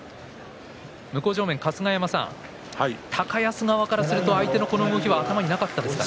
向正面の春日山さん高安側からすると相手の動きは頭になかったですか？